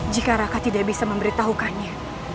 jika raka tidak bisa memberitahukannya